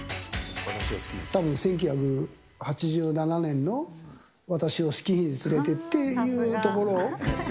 たぶん、１９８７年の私をスキーに連れてってっていうところ。